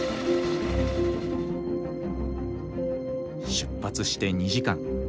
出発して２時間。